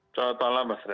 assalamualaikum mas renat